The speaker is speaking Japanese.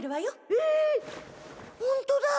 えっほんとだ。